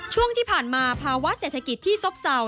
ช่วงที่ผ่านมาภาวะเศรษฐกิจที่ซบเศร้า